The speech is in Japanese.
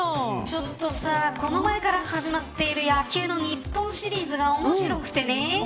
ちょっと、この前から始まっている野球の日本シリーズが面白くてね。